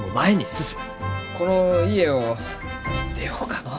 この家を出ようかのう。